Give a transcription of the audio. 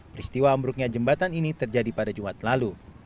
peristiwa ambruknya jembatan ini terjadi pada jumat lalu